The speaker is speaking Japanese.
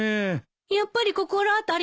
やっぱり心当たりはない？